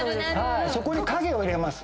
そこに影を入れます。